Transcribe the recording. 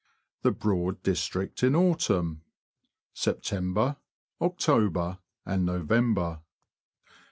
THE BROAD DISTRICT IN AUTUMN, SEPTEMBER, OCTOBER, AND NOVEMBER.